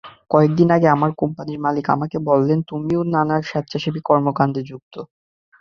কয়েক দিন আগে আমার কোম্পানির মালিক আমাকে বললেন, তুমিও নানা স্বেচ্ছাসেবী কর্মকাণ্ডে যুক্ত।